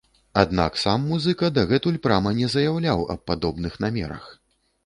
Аднак сам музыка дагэтуль прама не заяўляў аб падобных намерах.